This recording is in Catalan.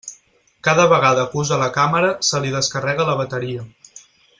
Cada vegada que usa la càmera se li descarrega la bateria.